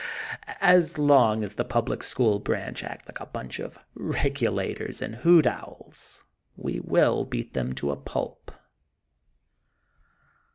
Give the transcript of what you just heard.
As long as the Public School bunch act like a bunch of regulators and hoot owls, we will beat them to pulp.